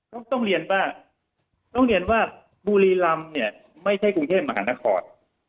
ต้องเรียนว่าต้องเรียนว่าบุรีรำเนี่ยไม่ใช่กรุงเทพมหานคร